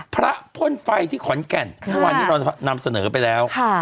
พ่นไฟที่ขอนแก่นเมื่อวานนี้เรานำเสนอไปแล้ว